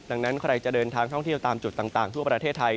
ดังนั้นใครจะเดินทางท่องเที่ยวตามจุดต่างทั่วประเทศไทย